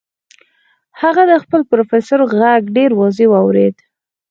هغه د خپل پروفيسور غږ ډېر واضح واورېد.